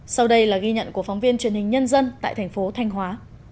sau đây là ghi nhận của phóng viên truyền hình nhân dân tại thành phố thanh hóa